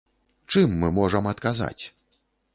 Чым мы можам адказаць?